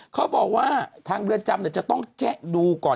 เขาบอกว่าทางเรือนจำจะต้องแจ๊ะดูก่อน